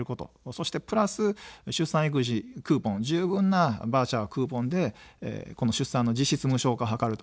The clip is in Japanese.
そしてプラス出産育児クーポン、十分なバウチャー、クーポンでこの出産の実質無償化を図る。